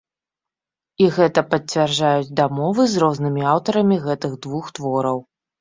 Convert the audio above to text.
І гэта пацвярджаюць дамовы з рознымі аўтарамі гэтых двух твораў.